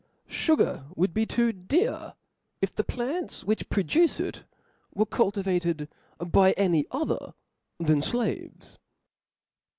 Sugar would be too dear, if the plants which produce it were cultivated by any other than flaves.